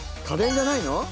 家電じゃないの？